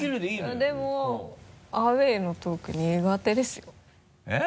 でもアウェイのトーク苦手ですよえっ？